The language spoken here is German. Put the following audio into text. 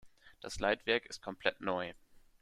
Das Leitwerk ist komplett neu.